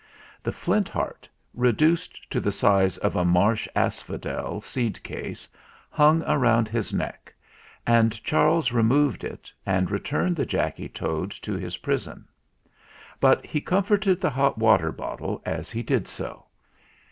The Flint Heart, reduced to the size of a marsh asphodel seed case, hung round his neck, and Charles removed it and returned the Jacky Toad to his prison. But he comforted the hot water bot tle as he did so.